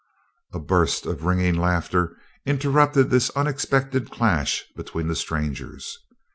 A burst of ringing laughter interrupted this unexpected clash between the strangers.